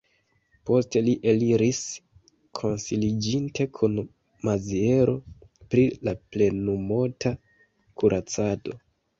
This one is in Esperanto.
Poste li eliris, konsiliĝinte kun Maziero pri la plenumota kuracado.